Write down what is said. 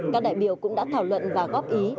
các đại biểu cũng đã thảo luận và góp ý